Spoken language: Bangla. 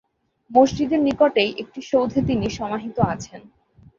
মসজিদের নিকটেই একটি সৌধে তিনি সমাহিত আছেন।